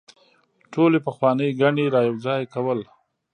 ټولې پخوانۍ ګڼې رايوځاي کول